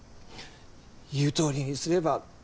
「言うとおりにすれば」